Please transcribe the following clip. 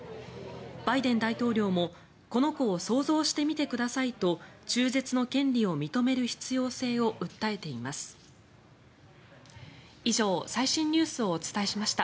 バイデン大統領もこの子を想像してみてくださいと中絶の権利を認める必要性を訴えています。